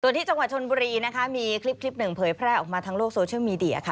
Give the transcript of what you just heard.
ที่จังหวัดชนบุรีนะคะมีคลิปหนึ่งเผยแพร่ออกมาทางโลกโซเชียลมีเดียค่ะ